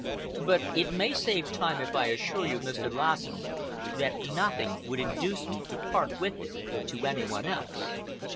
But it may save time if I assure you, Mr. Lassen, that nothing would induce me to part with it to any one else."